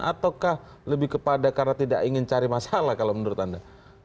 ataukah lebih kepada karena tidak ingin cari masalah kalau menurut anda